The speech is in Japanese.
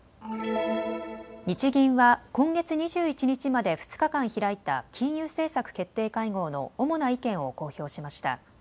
日銀は今月２１日まで２日間開いた金融政策決定会合の主な意見を公表しました。